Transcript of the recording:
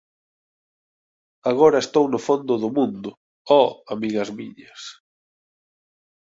Agora estou no fondo do mundo! Oh amigas miñas!